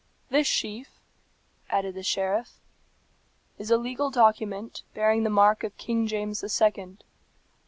This sheet," added the sheriff, "is a legal document, bearing the mark of King James the Second.